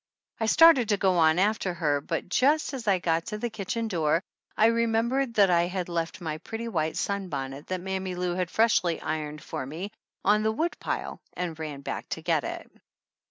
I started to go on after her, but just as I got to the kitchen door I remembered that I had left my pretty white sunbonnet that Mammy Lou had freshly ironed for me on the woodpile and ran back to get it.